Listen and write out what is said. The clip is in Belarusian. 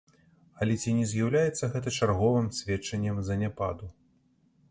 Але ці не з'яўляецца гэта чарговым сведчаннем заняпаду?